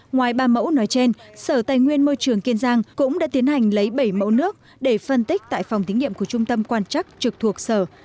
ngoài ba mẫu nói trên sở tài nguyên môi trường kiên giang cũng đã tiến hành lấy bảy mẫu nước để phân tích tại phòng thí nghiệm của trung tâm quan chắc trực thuộc sở